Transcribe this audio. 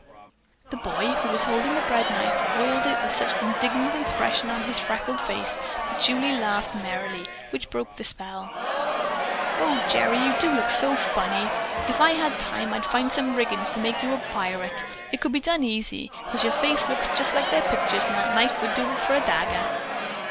The boy, who was holding the bread knife, whirled with such an indignant expression on his freckled face that Julie laughed merrily, which broke the spell. "Oh, Gerry, you do look so funny! If I had time, I'd find some riggins to make you into a pirate. It could be done easy, 'cause your face looks just like their pictures and that knife would do for a dagger."